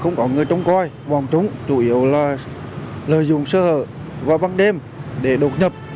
không có người trông coi vòng trúng chủ yếu là lợi dụng sở hợp vào băng đêm để đột nhập